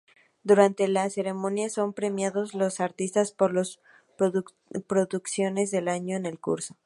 Durante la ceremonia son premiados los artistas por las producciones del año en curso.